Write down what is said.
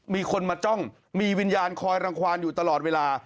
มีคนมาจ้องมีวิญญาณคอยรังความอยู่ตลอดเวลา